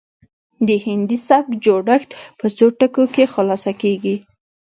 د هندي سبک جوړښت په څو ټکو کې خلاصه کیږي